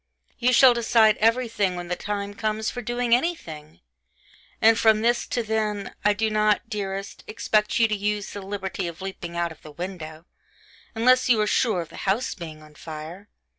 You shall decide everything when the time comes for doing anything ... and from this to then, I do not, dearest, expect you to use 'the liberty of leaping out of the window,' unless you are sure of the house being on fire!